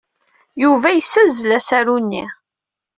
Yuba yessazzel asaru-nni.